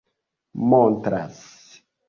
montras